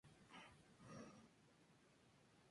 Tuvo un hijo cuando cursaba la escuela secundaria.